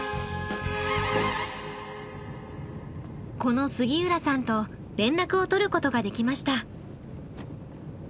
この杉浦さんと連絡を取ることができました。